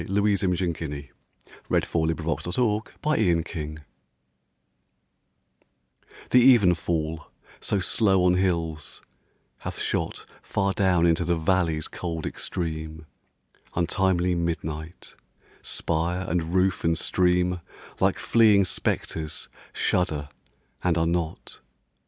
Louise Imogen Guiney The Lights of London THE evenfall, so slow on hills, hath shot Far down into the valley's cold extreme, Untimely midnight; spire and roof and stream Like fleeing spectres, shudder and are not.